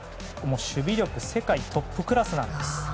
守備力世界トップクラスなんです。